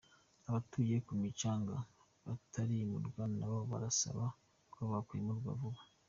Abatuye ku Kimicanga batarimurwa nabo barasaba ko bakwimurwa vuba